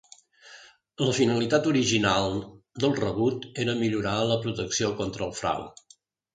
La finalitat original del rebut era millorar la protecció contra el frau.